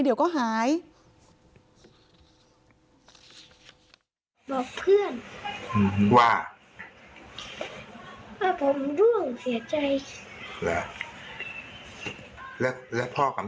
บอกเพื่อนว่าว่าผมร่วงเสียใจ